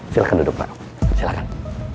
silahkan duduk pak silahkan